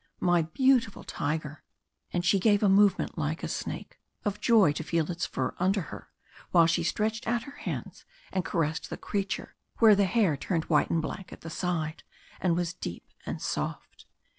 My beautiful tiger!" And she gave a movement like a snake, of joy to feel its fur under her, while she stretched out her hands and caressed the creature where the hair turned white and black at the side, and was deep and soft.